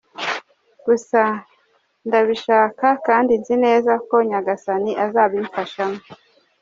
Gusa ndabishaka kandi nzi neza ko Nyagasani azabimfashamo.